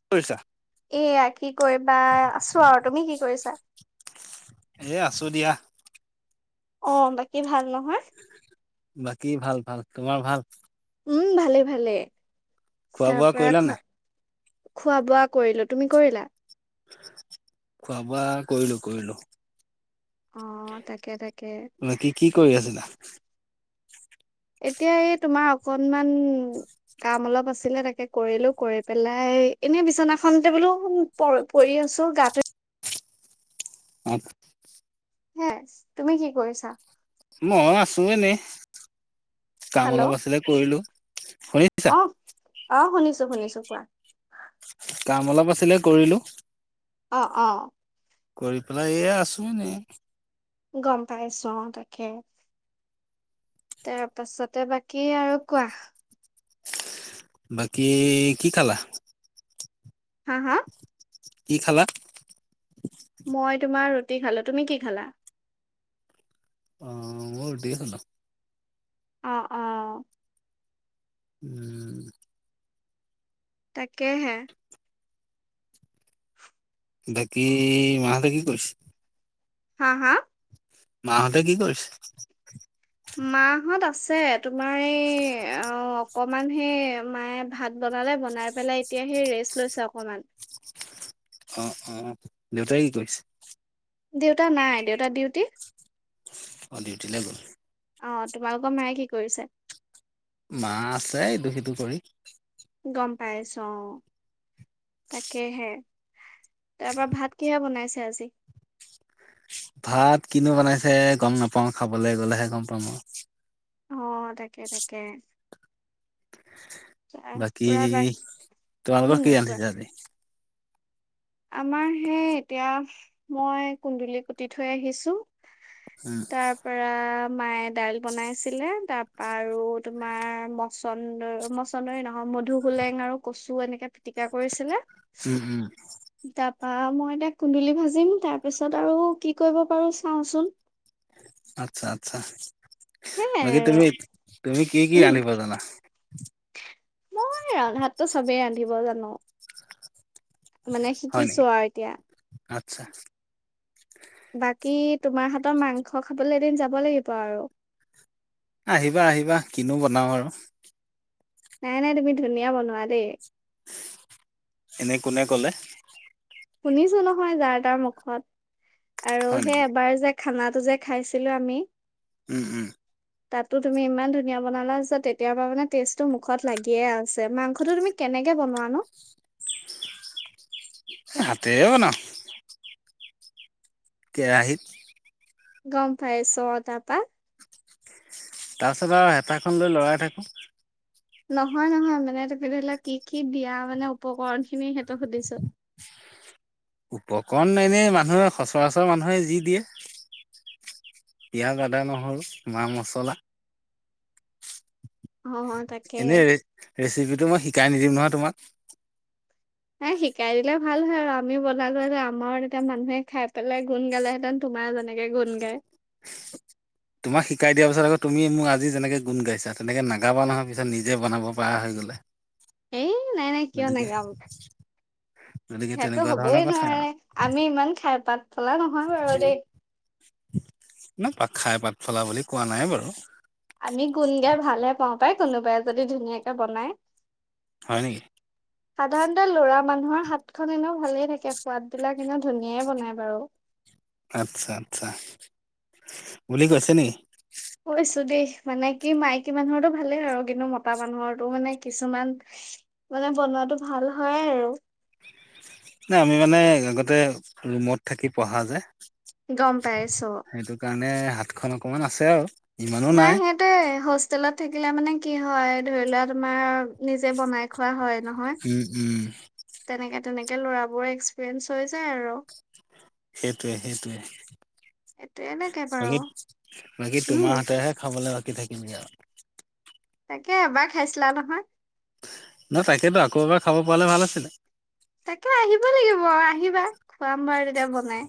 কি কৰিছা? এইয়া কি কৰিবা, আছো আৰু, তুমি কি কৰিছা? এ, আছো দিয়া। অ, বাকী ভাল নহয়। বাকী ভাল ভাল। তোমাৰ ভাল? উম, ভালে, ভালে। খোৱা তাৰ বোৱা পৰা কৰিলা নাই? খোৱা বোৱা কৰিলো, তুমি কৰিলা? খোৱা, বোৱা কৰিলো, কৰিলো। অ তাকে তাকে বাকী কি কৰি আছিলা? এতিয়া, এই তোমাৰ অকনমান কাম অলপ আছিলে, তাকে কৰিলো, কৰি পেলাই এনে বিচনাখনতে বোলো পৰি আছো, গাটো আ হে, তুমি কি কৰিছা? মইও আছোঁ এনে কাম হেল্ল' অলপ আছিলে, কৰিলো শুনিছা? অ অ, শুনিছো, শুনিছো কোৱা, কাম অলপ আছিলে, কৰিলো অ, অ। কৰি পেলাই, এয়ে আছোঁ এনে। গম পাইছো, অ, তাকে তাৰ পাছতে, বাকী আৰু কোৱা। বাকী কি খালা? হা, হা কি খালা? ৰুতি খালো, তুমি কি খালা? মোৰ ধেৰ খানা অ, অ। উম। তাকেহে বাকী মা হতে কি কৰিছে? হা হা মাহঁতে কি কৰিছে মাহত আছে তোমাৰ এই অ অকমান সেই মায়ে ভাত বনালে বনাই পেলাই এতিয়া সেই ৰেষ্ট লৈছে অকমান অ অ দেউতাই কি কৈছে দেউতা নাই দেউতা ডিউটি অ ডিউটি যে গ'ল অ তোমালোকৰ মায়ে কি কৰিছে? মা আছে দু সিটো কৰি গম পাইছো অ তাকেহে তাৰ পৰা ভাত কিহে বনাইছে আজি ভাত কিনো বনাইছে গম নাপাওঁ খাবলৈ গলেহে গম পাওঁ আৰু অ তাকে তাকে তাৰ বাকী পুৰা বা তোমালোক উম কি কোৱা ৰান্ধিছে আজি আমাৰ হেই এতিয়া মই কুন্দুলি কুতি থৈ আহিছো উম, তাৰ পৰা মায়ে দাইল বনাইছিলে তাৰ পৰা আৰু তোমাৰ মচন্দৰ মছন্দৰ নহয় মধু হোলেং আৰু কচু এনেকে পিটিকা কৰিছিলে উম উম তাৰাপা মই এতিয়া কুন্দুলি ভাজিম তাৰপিছত আৰু কি কৰিব পাৰো চাওঁচোন আচ্ছা আচ্ছা সেয়াই বাকী আৰু তুমি কি কি উম ৰান্ধিব জানা বুজি পোৱা নাই মই ৰন্ধাতটো চবেই ৰান্ধিব জানো। মানে হয় শিকিছো নেকি? আৰু এতিয়া আচ্ছা, বাকী তোমাৰ হাতৰ মাংস খাবলৈ এদিন যাব লাগিব আৰু। আহিবা আহিবা কিনো বনাও আৰু। নাই নাই তুমি ধুনিয়া বনোৱা দেই। এনে কোনে ক'লে। শুনিছো নহয় যাৰ তাৰ মুখত। আৰু হয় নেকি? সেই এবাৰ যে খানাটো যে খাইছিলো আমি, উম উম তাতো তুমি ইমান ধুনীয়া বনালা, তেতিয়াৰ পৰা মানে টেষ্টটো মুখত লাগিয়ে আছে মাংসটো তুমি কেনেকে বনোৱা নো? হাতেৰে বনাও কেৰাহিত গম পাই চো অঁ তাৰপা তাৰপিছত আৰু হেতাখন লৈ লৰাই থাকো। নহয় নহয় মানে তুমি ধৰি লোৱা কি কি দিয়া মানে উপকৰণ খিনি সেইটো সুধিছো। উপকৰণ এনে মানুহে সচৰাচৰ মানুহে যি দিয়ে। পিঁয়াজ আদা নহৰু মা মচলা। অ অ তাকে এনেই ৰে ৰেচিপিটো মই শিকাই নিদিম নহয়- তোমাক। হে শিকাই দিলে ভাল হয় আৰু আমিও বনালোঁহেঁতেন। আমাৰো তেতিয়া মানুহে খাই পেলাই গুণ গালেহেঁতেন, তোমাৰ যেনেকে গুণ গায়। তোমাক শিকাই দিয়াৰ পিছত আকৌ, তুমি মোক আজি যেনেকে গুণ গাইছা, তেনেকে নাগাবা নহয় পিছত, নিজে বনাব পৰা হৈ গ'লে। ই নাই নাই, কিয় গতিকে নেগাম। গতিকে সেইটো তেনেকুৱা ধৰণৰ হ'বই কথা আৰু নোৱাৰে। আমি ইমান খাই পাত ফলা নহয় বাৰু দেই। না পাত খাই পাত ফলা বুলি কোৱা নাই বাৰু। আমি গুণ গাই ভালহে পাওঁ পাই কোনোবাই যদি ধুনীয়াকে বনাই। হয় নেকি? সাধাৰণতে ল'ৰা মানুহৰ হাতখন এনেও ভালেই থাকে। সোৱাদবিলাক এনেও ধুনীয়াই বনাই বাৰু। আচ্ছা আচ্ছা। বুলি কৈছে নেকি? কৈছো দেই মানে কি মাইকী মানুহৰটো ভালেই হয় আৰু। কিন্তু মতা মানুহৰটো মানে কিছুমান, মানে বনোৱাটো ভাল হয় আৰু। না আমি মানে আগতে ৰুমত থাকি পঢ়া যে। গম পাইছোঁ। খন অকনমান আছে আৰু। নাই সেইটোৱে হোষ্টেলত- থাকিলে মানে কি হয়, ধৰি লোৱা তোমাৰ, নিজে বনাই খোৱা হয়। নহয়, উম উম তেনেকে- তেনেকে ল'ৰাবোৰৰ এক্সপ্ৰিৰিয়েন্স হৈ যায় আৰু। সেইটোৱে এইটোয়ে সেইটোৱে। লাগে বাৰু বাকী, বাকী উম তোমাৰ হাতেৰে হে খাবলৈ- কি থাকিলগে আৰু। তাকে এবাৰ খাইছিলা নহয়। ন তাকেতো আকৌ এবাৰ খাব পালে ভাল আছিলে। তাকে আহিব লাগিব, আহিবা। খুৱাম বাৰু তেতিয়া বনাই।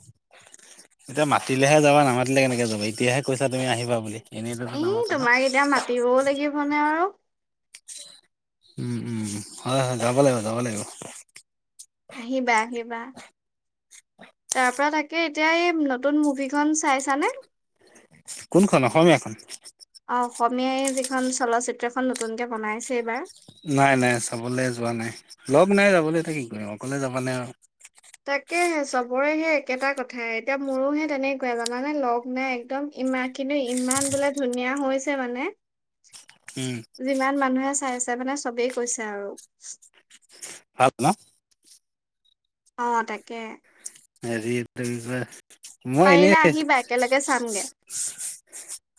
এতিয়া মাতিলেহে যাবা। নামাতিলে কেনেকে যাবা, এতিয়াহে কৈছা তুমি আহিবা বুলি। এনেইতো এই নামাতা ন তোমাক এতিয়া মাতিবও লাগিবনে আৰু। উম উম। হয় হয়। যাব লাগিব, যাব লাগিব। আহিবা আহিবা। [unintelligible] তাৰ পৰা তাকে এতিয়া এই, নতুন মুভিখন চাইছানে? কোনখন, অসমীয়াখন? অসমীয়াই যিখন চলচ্চিত্ৰখন নতুনকে বনাইছে এইবাৰ। নাই নাই, চাবলৈ যোৱা নাই। ‌ লগ নাই যাবলৈ এতিয়া কি কৰিম, অকলে যাবা নে আৰু। তাকে সেই চবৰে সেই একেটা কথা, এতিয়া মোৰো সেই তেনেকুৱাই জানানে। লগ নাই একদম ইমা কিন্তু, ইমান বোলে ধুনীয়া হৈছে মানে। উম যিমান মানুহে চাইছে- চে মানে চবেই কৈছে আৰু। ভাল ন? অহ তাকে। হেৰি তেনেকুৱা- মই পাৰিলে এনেই, আহিবা একেলগে চামগে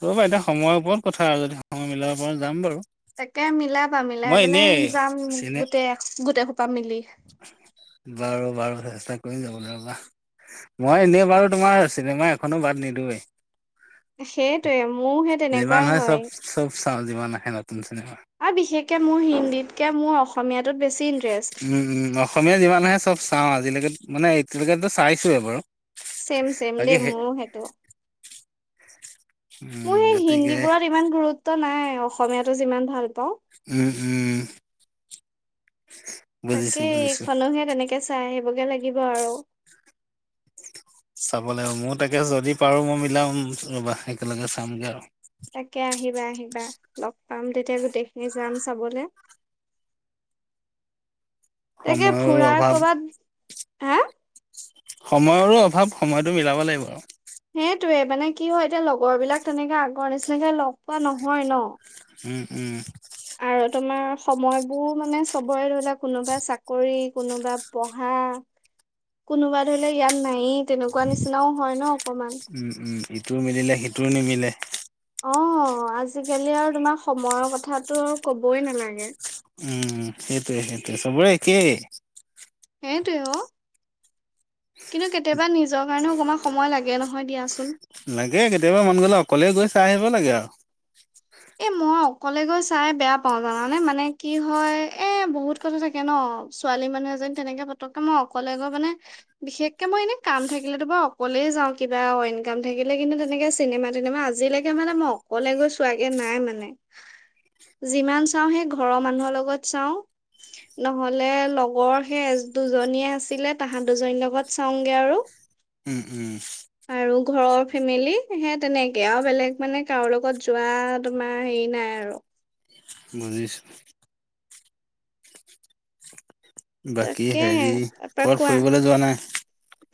ৰবা এতিয়া সময় ওপৰত। কথা যদি সময় মিলাব পাৰো যাম বাৰু। তাকে মিলাবা মিলাই মই পেলাই এনেই যাম চিনে গোটেই গোটেই সোপা। মিলি। বাৰু বাৰু চেষ্টা কৰিম যাবলৈ ৰবা। মই এনেই বাৰু তোমাৰ চিনেমা এখনো বাদ নিদোৱেই। সেইটোৱে মোৰহে তেনেকুৱাই হয়। তমছিলে [inaudible] আৰু বিশেষকে মোৰ হিন্দীতকে মোৰ অসমীয়াত।। উম উম অসমীয়া যিমান আহে চব চাওঁ আজিলৈকে মানে।। এতিয়ালৈকে টো চাইছোৱে বাৰু।। চেম চেম বাকী দেই সেই মোৰো সেইটো। [inaudible] মোৰ সেই গতিকে হিন্দী বোৰত ইমান গুৰুত্ব নাই। অসমীয়াতো যিমান ভাল পাওঁ। উম উম। বুজিছো তাকেই বুজিছো অকলেহে তেনেকে চাই আহিবগে লাগিব। লাগিব আৰু চাব লাগিব। মোৰ তাকে যদি পাৰো মই মিলাম ৰবা একেলগে চামগে আৰু তাকে আহিবা আহিবা লগ। পাম তেতিয়া গোটেইখিনি যাম চাবলে। তাকে সময়ৰো ফুৰা অভাৱ কৰ'বাত হা।। সময়ৰো অভাৱ সময়তো মিলাব লাগিব আৰু সেইটয়ে মানে কি হয় এতিয়া লগৰ বিলাক তেনেকে আগৰ নিচিনাকে লগ পোৱা নহয়। ন উম উম। আৰু তোমাৰ সময়বোৰ মানে চবৰে ধৰিলোৱা কোনোবা চাকৰি। কোনোবা পঢ়া, কোনোবা ধৰি লোৱা ইয়াত নায়েই। তেনেকুৱা নিচিনাও হয় ন অকমান। উম উম ইটো মিলিলে সিটো নিমিলে। যে। অ আজিকালি আৰু তোমাৰ সময়ৰ কথাতটো আৰু ক'বই নালাগে। উম সেইটোৱে সেইটোৱে সবৰে একে। সেই টোৱে অ। কিন্তু কেতিয়াবা নিজৰ কাৰণেও অকমান সময় লাগে নহ। হয় দিয়াচোন, লাগে কেতিয়াবা মন গ'লে অকলে গৈ চাই আহিব লাগে। আৰু এ মই অকলে গৈ চাই বেয়া পাওঁ। জানানে মানে কি হয় এ বহুত কথা থাকে ন? ছোৱালী মানুহ এজনী তেনেকে পতককে মই অকলে গৈ মানে বিশেষকে মই এনে কাম থাকিলেতো বাৰু অকলেই যাওঁ। কিবা ইনকাম থাকিলে কিন্তু তেনেকে চিনেমা তিনেমা আজিলৈকে মানে মই অকলে গৈ চোৱ।।। এ নাই মানে যিমান চাওঁ সেই ঘৰৰ মানুহৰ লগত চাওঁ। নহলে লগৰ সেই এ দুজনীয়ে আছিলে, তাহাঁত দুজনীৰ লগত চাওঁগে আৰু উম উম। আৰু ঘৰৰ ফেমিলি সে তেনেকে আৰু বেলেগ মানে কাৰো লগত যোৱা।। তোমাৰ হেৰি নাই আৰু। বুজিছো। বাকী তাকেহে হেৰি তাৰপৰা কৰত [unintelligible] কোৱা ফুৰিবলৈ যোৱা নাই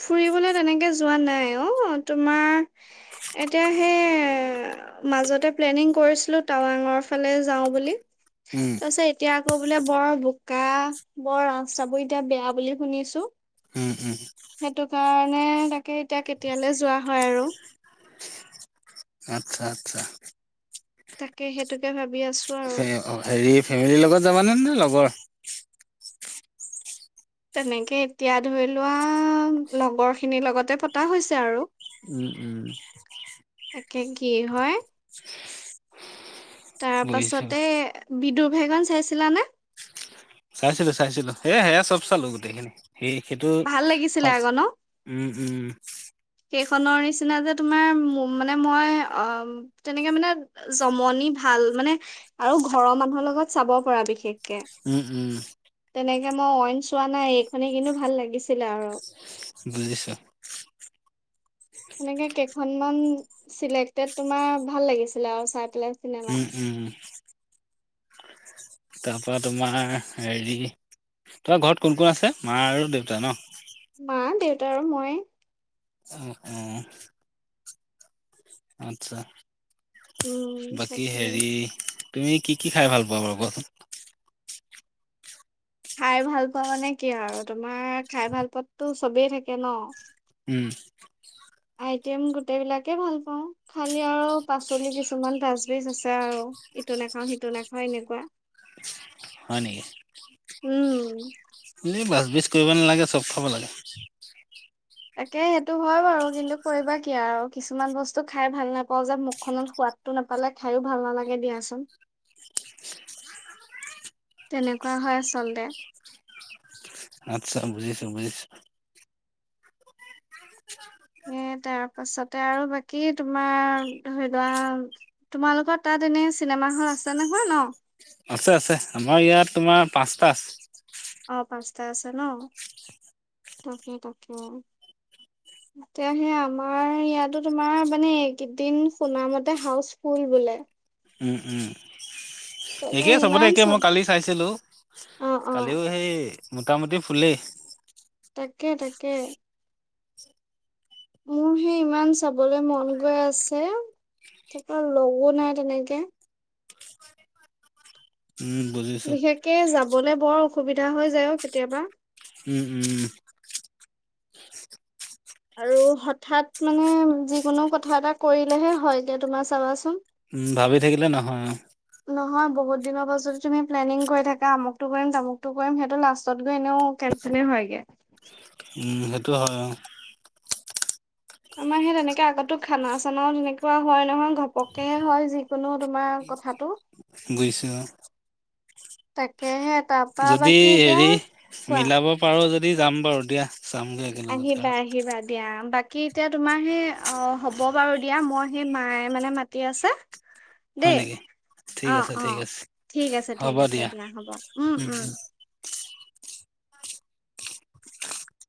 ফুৰিবলৈ তেনেকৈ যোৱা নাই অ তোমাৰ এতিয়া সেই মাজতে প্লেনিং কৰিছিলোঁ টাৱাঙৰ ফালে যাওঁ বুলি উম, তাৰপাছত এতিয়া ক' বোলে বৰ বোকা বৰ চাব এতিয়া বেয়া বুলি শুনিছো উম উম সেইটো কাৰণে তাকে এতিয়া কেতিয়ালৈ যোৱা হয় আৰু আচ্ছা আচ্ছা তাকে সেইটোকে ভাবি আছো আৰু হেৰি ফেমিলিৰ লগত যাবানে ন লগৰ তেনেকে এতিয়া ধৰি লোৱা লগৰ খিনিৰ লগতে পতা হৈছে আৰু উম, উম, একে কি হয় তাৰ বুজিছোঁ। পাছতে বিদু ভেগন চাইছিলা নে চাইছিলো চাইছিলো সে সেয়া চব চালো গোটেইখিনি সেই সেইটো ভাল লাগিছিলে আকৌ ন? উম উম সেইখনৰ নিচিনা যে তোমাৰ মানে মই অ তেনেকে মানে জমনি ভাল মানে আৰু ঘৰৰ মানুহৰ লগত চাব পৰা বিশেষ উম উম কে মই অইন চোৱা নাই এইখনে কিন্তু ভাল লাগিছিলে আৰু বুজিছো সনেকে কেইখনমান চিলেকটেড তোমাৰ ভাল লাগিছিলে আৰু চাই পেলাই চিনেমা উম উম উম তাৰ পৰা তোমাৰ হেৰি তোমাৰ ঘৰত কোন কোন আছে মা আৰু দেউতা ন মা দেউত- তা আৰু মই অহ অহ আচ্ছা উম বাকী তাকে হেৰি তুমি কি কি খাই ভাল পোৱা বাৰু কোৱাচোন? খাই ভাল পোৱা মানে কি আৰু তোমাৰ খাই ভাল পোৱাতো চবেই থাকে ন উম আইটেম গোটেইবিলাকে ভাল পাওঁ খালি আৰু পাচলি কিছুমান ডাচবিজ আছে আৰু ইটো নাখাও সিটো নাখাওঁ এনেকুৱা। হয় নেকি উম বাছ বিজ কৰিব নালাগে চব খাব লাগে। তাকে সেইটো হয় বাৰু কিন্তু কৰিবা কি আৰু কিছুমান বস্তু খাই ভাল নাপাওঁ যে মুখখনত সোৱাদটো নাপালে খাইয়ো ভাল নালাগে দিয়াচোন তেনেকুৱা হয় আচলতে। আচ্ছা বুজিছো বুজিছো এ তাৰ পাছতে আৰু বাকী তোমাৰ ধৰি লোৱা তোমালোকৰ তাত এনে চিনেমা হল আছে নহয় ন আছে আছে আমাৰ ইয়াত তোমাৰ পাঁচটা আছে অ পাঁচটা আছে ন তাক তাকে এয়া সেই আমাৰ ইয়াতো তোমাৰ মানে এই কেইদিন শুনামতে হাউচ ফুল বোলে। উম উম তাকে একেই চবতে ইমান একে মই চাব কালি চাইছিলো অ অ কালিও সেই মোটামুটি ফুুলেই তাকে তাকে মোৰ সেই ইমান চাবলৈ মন গৈ আছে তাপা লগো নাই তেনেকে উম বুজিছো বিশেষকে যাবলে বৰ অসু- সুবিধা হৈ যায়ও কেতিয়াবা। উম উম আৰু হঠাৎ মানে যিকোনো কথা এটা কৰিলেহে হয় এতি তোমাৰ চাবাচোন। উম ভাবি থাকিলে নহয় অ। নহয় বহুত দিনৰ পাছত যদি তুমি প্লেনিং কৰি থাকা আমুকটো কৰিম তামুকটো কৰিম সেইটো লাষ্টত গৈ এনেও কেনচেলে হয়গে। উম সেইটো হয় অ আমাৰ সেই তেনেকে আগতো খানা চানাও তেনেকুৱা হয় নহয় ঘপকেহে হয় যি- বুজিছো অ তাকেহে তাৰপা যদি বাকী এতিয়া হেৰি কোৱা মিলাব পাৰো যদি- দি যাম বাৰু দিয়া। চামগৈ একেলগতে আহিবা আৰু আহিবা দিয়া আৰাম- বাকী এতিয়া তোমাৰ সেই অ হ'ব বাৰু দিয়া মই সেই মায়ে মানে মাতি আছে হয় দেই নেকি ঠিক অ আছে, অ ঠিক আছে ঠিক আছে ঠিক আছে দিয়া হ'ব উম উম